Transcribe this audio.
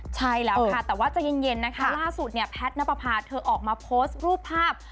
ใช่แล้วค่ะแต่ว่าจะเย็นล่าสุดแพทย์น้ำปะพาเธอออกมาโพสต์รูปภาพ